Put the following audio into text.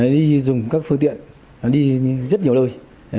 đi dùng các phương tiện đi rất nhiều nơi